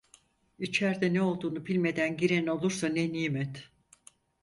İçerde ne olduğunu bilmeden giren olursa ne nimet…